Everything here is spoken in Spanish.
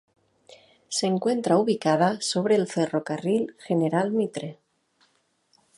Se encuentra ubicada sobre el Ferrocarril General Mitre.